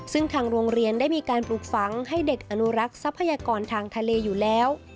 ซึ่งทางโรงเรียนได้มีการปลูกฝังให้เด็กอนุรักษ์ทรัพยากรทางทะเลอยู่แล้ว